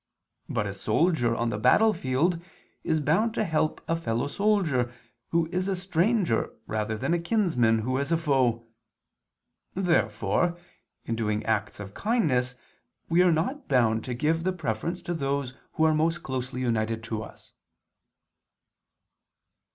But a soldier on the battlefield is bound to help a fellow soldier who is a stranger rather than a kinsman who is a foe. Therefore in doing acts of kindness we are not bound to give the preference to those who are most closely united to us.